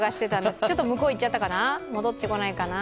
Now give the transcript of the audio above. ちょっと向こう行っちゃったかな、戻ってこないかな？